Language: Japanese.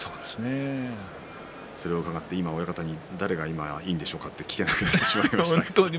それを伺って今親方に誰がいいんでしょうかと聞けなくなりました。